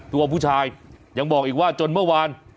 ตัวผู้ชายยังบอกอีกว่าจนเมื่อวาน